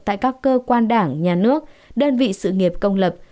tại các cơ quan đảng nhà nước đơn vị sự nghiệp công lập